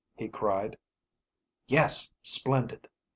he cried. "Yes, splendid!"